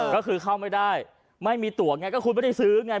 ก็คือเข้าไม่ได้ไม่มีตัวไงก็คุณไม่ได้ซื้อไง